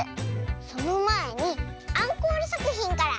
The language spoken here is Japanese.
そのまえにアンコールさくひんから。